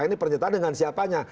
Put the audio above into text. ini pernyataan dengan siapanya